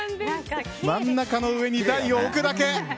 真ん中の上に大を置くだけ。